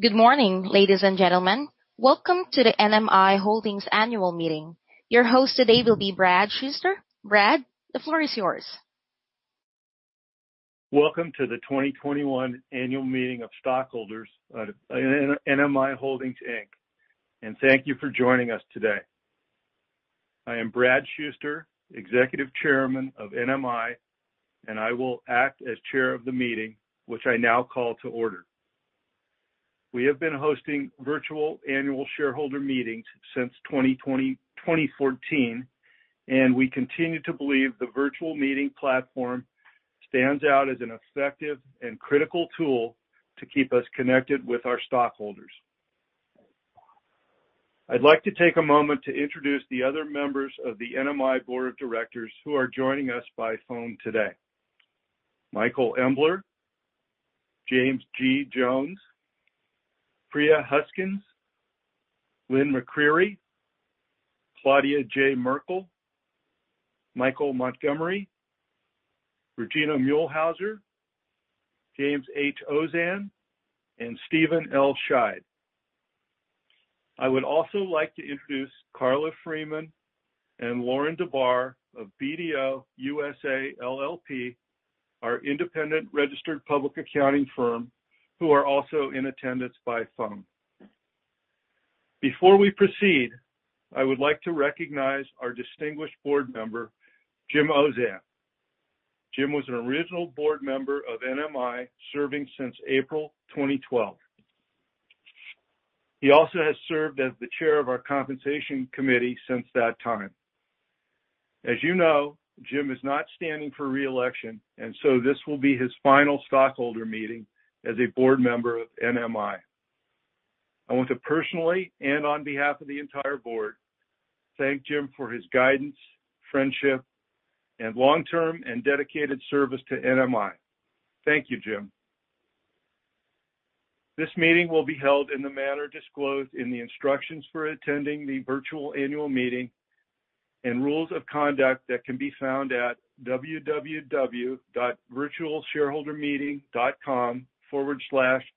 Good morning, ladies and gentlemen. Welcome to the NMI Holdings Annual Meeting. Your host today will be Brad Shuster. Brad, the floor is yours. Welcome to the 2021 Annual Meeting of Stockholders of NMI Holdings, Inc. Thank you for joining us today. I am Brad Shuster, Executive Chairman of NMI, and I will act as chair of the meeting, which I now call to order. We have been hosting virtual annual shareholder meetings since 2014, and we continue to believe the virtual meeting platform stands out as an effective and critical tool to keep us connected with our stockholders. I'd like to take a moment to introduce the other members of the NMI Board of Directors who are joining us by phone today. Michael Embler, James G. Jones, Priya Huskins, Lynn McCreary, Claudia J. Merkle, Michael Montgomery, Regina Muehlhauser, James H. Ozanne, and Steven L. Scheid. I would also like to introduce Carla Freeman and Lauren DeBarr of BDO USA, LLP, our independent registered public accounting firm, who are also in attendance by phone. Before we proceed, I would like to recognize our distinguished board member, Jim Ozanne. Jim was an original board member of NMI, serving since April 2012. He also has served as the chair of our compensation committee since that time. As you know, Jim is not standing for re-election, and so this will be his final stockholder meeting as a board member of NMI. I want to personally, and on behalf of the entire board, thank Jim for his guidance, friendship, and long-term and dedicated service to NMI. Thank you, Jim. This meeting will be held in the manner disclosed in the instructions for attending the virtual annual meeting and rules of conduct that can be found at www.virtualshareholdermeeting.com/NMIH2021. The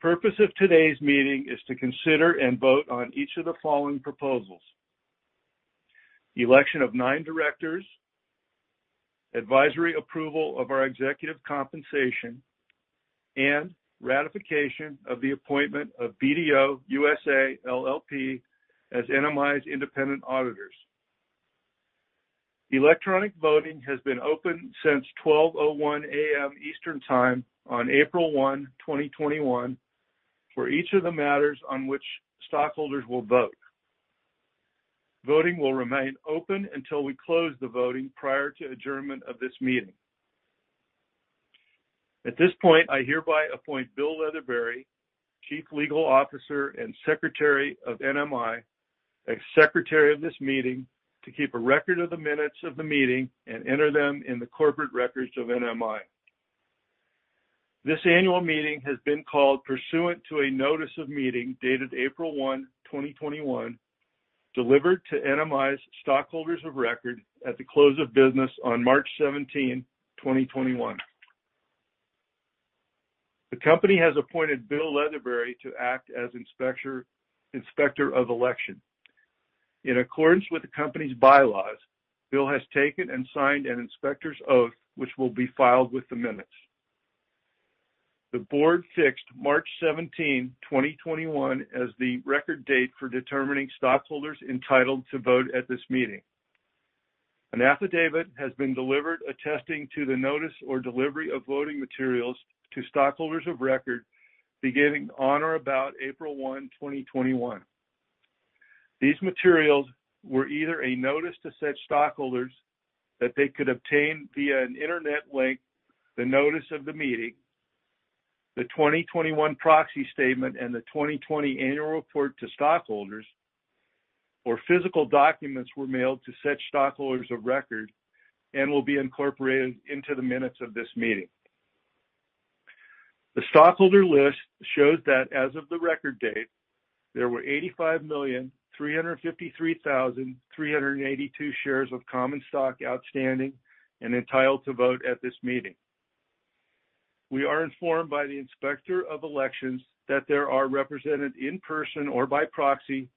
purpose of today's meeting is to consider and vote on each of the following proposals. The election of nine directors, advisory approval of our executive compensation, and ratification of the appointment of BDO USA, LLP as NMI's independent auditors. Electronic voting has been open since 12:01 A.M. Eastern Time on April 1, 2021 for each of the matters on which stockholders will vote. Voting will remain open until we close the voting prior to adjournment of this meeting. At this point, I hereby appoint Bill Leatherberry, Chief Legal Officer and Secretary of NMI, as secretary of this meeting, to keep a record of the minutes of the meeting and enter them in the corporate records of NMI. This annual meeting has been called pursuant to a notice of meeting dated April 1, 2021, delivered to NMI's stockholders of record at the close of business on March 17, 2021. The company has appointed Bill Leatherberry to act as Inspector of Election. In accordance with the company's bylaws, Bill has taken and signed an inspector's oath, which will be filed with the minutes. The board fixed March 17, 2021, as the record date for determining stockholders entitled to vote at this meeting. An affidavit has been delivered attesting to the notice or delivery of voting materials to stockholders of record beginning on or about April 1, 2021. These materials were either a notice to such stockholders that they could obtain via an internet link the notice of the meeting, the 2021 proxy statement, and the 2020 annual report to stockholders, or physical documents were mailed to such stockholders of record and will be incorporated into the minutes of this meeting. The stockholder list shows that as of the record date, there were 85,353,382 shares of common stock outstanding and entitled to vote at this meeting. We are informed by the Inspector of Elections that there are represented in person or by proxy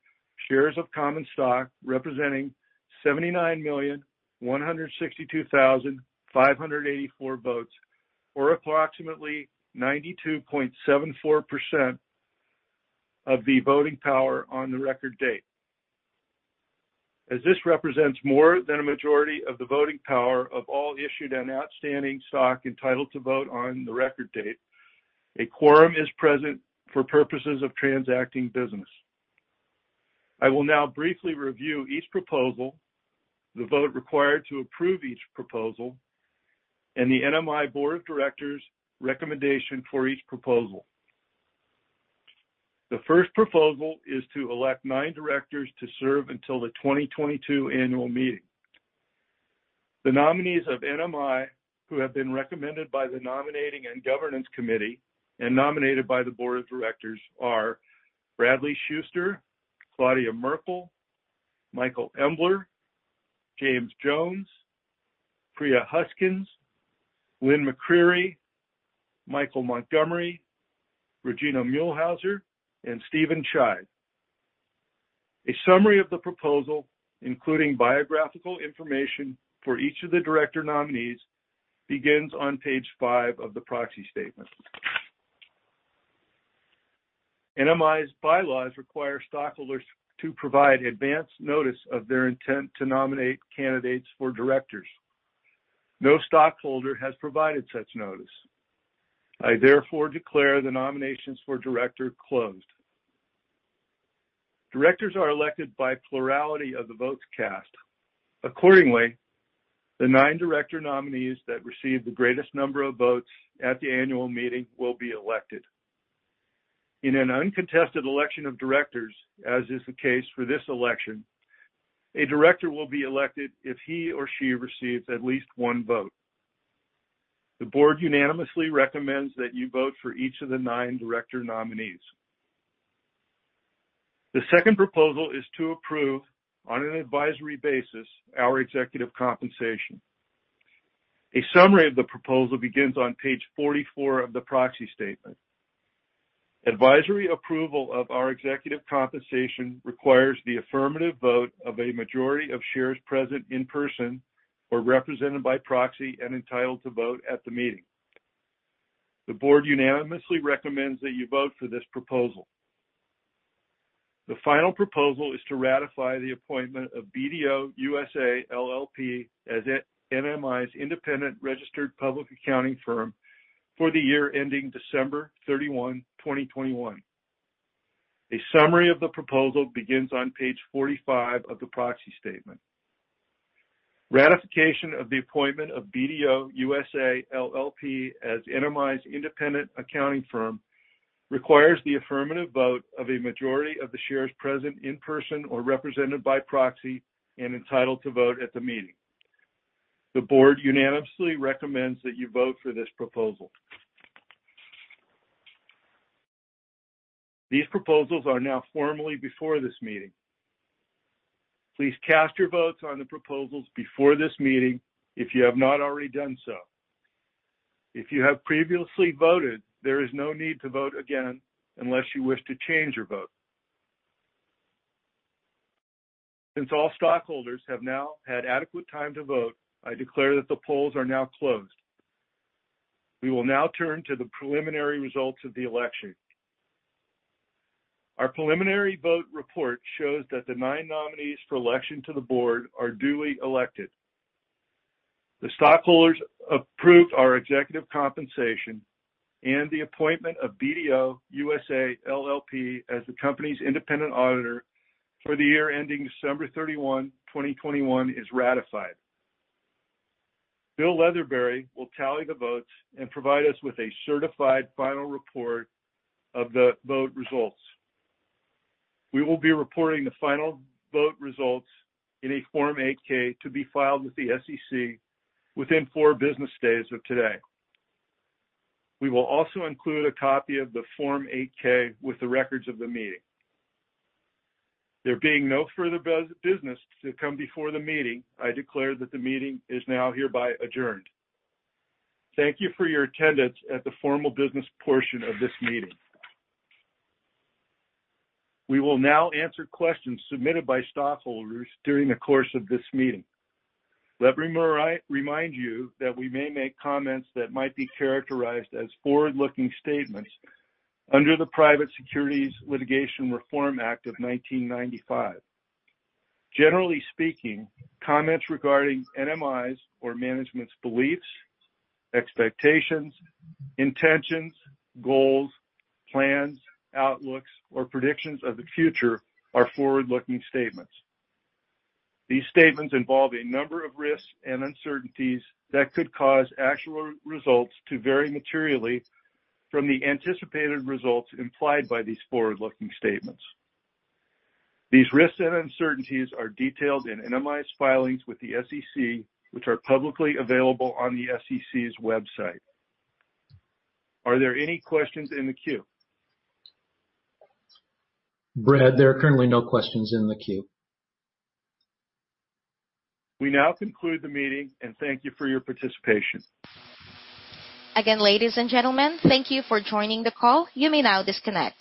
shares of common stock representing 79,162,584 votes, or approximately 92.74% of the voting power on the record date. As this represents more than a majority of the voting power of all issued and outstanding stock entitled to vote on the record date, a quorum is present for purposes of transacting business. I will now briefly review each proposal, the vote required to approve each proposal, and the NMI Board of Directors' recommendation for each proposal. The first proposal is to elect nine directors to serve until the 2022 annual meeting. The nominees of NMI, who have been recommended by the Nominating and Governance Committee and nominated by the Board of Directors are Bradley M. Shuster, Claudia J. Merkle, Michael Embler, James G. Jones, Priya Huskins, Lynn McCreary, Michael Montgomery, Regina Muehlhauser, and Steven L. Scheid. A summary of the proposal, including biographical information for each of the director nominees, begins on page five of the proxy statement. NMI's bylaws require stockholders to provide advance notice of their intent to nominate candidates for directors. No stockholder has provided such notice. I therefore declare the nominations for director closed. Directors are elected by plurality of the votes cast. Accordingly, the nine director nominees that receive the greatest number of votes at the annual meeting will be elected. In an uncontested election of directors, as is the case for this election, a director will be elected if he or she receives at least one vote. The board unanimously recommends that you vote for each of the nine director nominees. The second proposal is to approve, on an advisory basis, our executive compensation. A summary of the proposal begins on page 44 of the proxy statement. Advisory approval of our executive compensation requires the affirmative vote of a majority of shares present in person or represented by proxy and entitled to vote at the meeting. The board unanimously recommends that you vote for this proposal. The final proposal is to ratify the appointment of BDO USA, LLP as NMI's independent registered public accounting firm for the year ending December 31, 2021. A summary of the proposal begins on page 45 of the proxy statement. Ratification of the appointment of BDO USA, LLP as NMI's independent accounting firm requires the affirmative vote of a majority of the shares present in person or represented by proxy and entitled to vote at the meeting. The board unanimously recommends that you vote for this proposal. These proposals are now formally before this meeting. Please cast your votes on the proposals before this meeting if you have not already done so. If you have previously voted, there is no need to vote again unless you wish to change your vote. Since all stockholders have now had adequate time to vote, I declare that the polls are now closed. We will now turn to the preliminary results of the election. Our preliminary vote report shows that the nine nominees for election to the board are duly elected. The stockholders approved our executive compensation and the appointment of BDO USA, LLP as the company's independent auditor for the year ending December 31, 2021, is ratified. Bill Leatherberry will tally the votes and provide us with a certified final report of the vote results. We will be reporting the final vote results in a Form 8-K to be filed with the SEC within four business days of today. We will also include a copy of the Form 8-K with the records of the meeting. There being no further business to come before the meeting, I declare that the meeting is now hereby adjourned. Thank you for your attendance at the formal business portion of this meeting. We will now answer questions submitted by stockholders during the course of this meeting. Let me remind you that we may make comments that might be characterized as forward-looking statements under the Private Securities Litigation Reform Act of 1995. Generally speaking, comments regarding NMI's or management's beliefs, expectations, intentions, goals, plans, outlooks, or predictions of the future are forward-looking statements. These statements involve a number of risks and uncertainties that could cause actual results to vary materially from the anticipated results implied by these forward-looking statements. These risks and uncertainties are detailed in NMI's filings with the SEC, which are publicly available on the SEC's website. Are there any questions in the queue? Brad, there are currently no questions in the queue. We now conclude the meeting, and thank you for your participation. Again, ladies and gentlemen, thank you for joining the call. You may now disconnect.